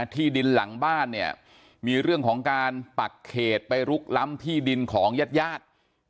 ที่ดินหลังบ้านเนี่ยมีเรื่องของการปักเขตไปลุกล้ำที่ดินของญาติญาติ